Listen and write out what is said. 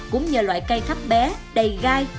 cũng nhờ loại cây khắp bé đầy gai